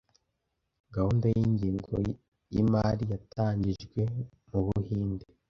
gahunda yingengo yimari yatangijwe mubuhinde